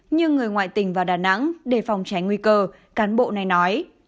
như người ngoại tỉnh vào đà nẵng để phòng tránh nguy cơ cán bộ này nói